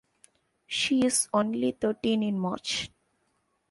She’s only thirteen in March.